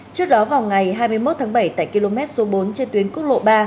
trước đó vào ngày hai mươi một tháng bảy tại km số bốn trên tuyến quốc lộ ba